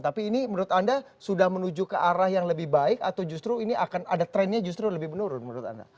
tapi ini menurut anda sudah menuju ke arah yang lebih baik atau justru ini akan ada trennya justru lebih menurun menurut anda